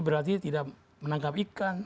berarti tidak menangkap ikan